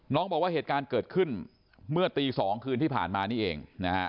บอกว่าเหตุการณ์เกิดขึ้นเมื่อตี๒คืนที่ผ่านมานี่เองนะฮะ